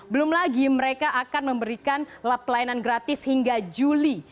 belum lagi mereka akan memberikan lap pelayanan gratis hingga juli